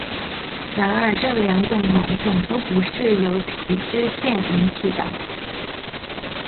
然而这两种囊肿都不是由皮脂腺引起的。